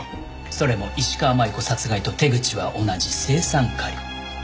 それも石川真悠子殺害と手口は同じ青酸カリ。